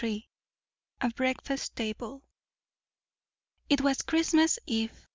A BREAKFAST TABLE. It was Christmas eve.